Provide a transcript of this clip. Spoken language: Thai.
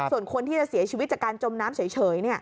ส่วนคนที่จะเสียชีวิตจากการจมน้ำเฉย